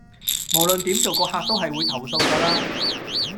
無論點做個客都係會投訴㗎啦